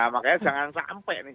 makanya jangan sampai nih